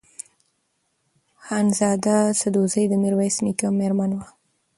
خانزاده سدوزۍ د میرویس نیکه مېرمن وه.